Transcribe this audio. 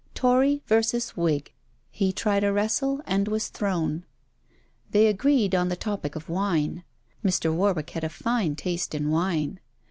Tory versus Whig, he tried a wrestle, and was thrown. They agreed on the topic of Wine. Mr. Warwick had a fine taste in wine.